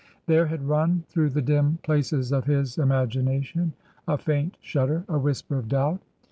There had run through the dim places of his imagina tion a faint shudder, a whisper of doubt.